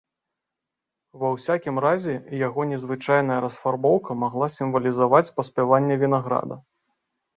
Ва ўсякім разе, яго незвычайная расфарбоўка магла сімвалізаваць паспяванне вінаграда.